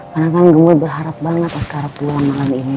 karena kan gemoy berharap banget askara pulang malam ini